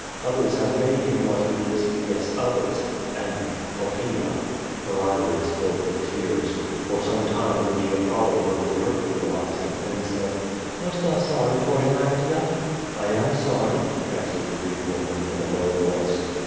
Others have made him what he is. Yes, others, and — Poppaea." Her eyelids filled with tears. For some time Lygia fol lowed her with her blue eyes and then said: "Art thou sorry for him, Actea?" "I am sorry," answered the Greek woman, in a low voice.